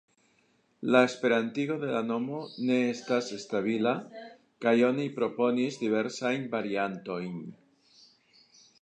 La esperantigo de la nomo ne estas stabila, kaj oni proponis diversajn variantojn.